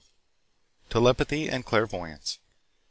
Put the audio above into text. Telepathy and Clairvoyance.